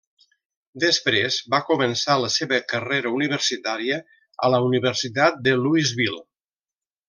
Després va començar la seva carrera universitària a la Universitat de Louisville.